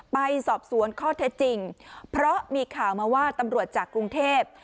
ไปสอบสวนข้อเท็จจริงเพราะมีข่าวมาว่าตำรวจจากกรุงเทพ